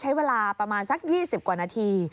ใช้เวลาประมาณสัก๒๐กว่านาที